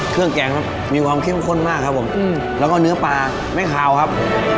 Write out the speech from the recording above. เครื่องแกงมันมีความเข้มข้นมากครับผมอืมแล้วก็เนื้อปลาแม่งคาวครับ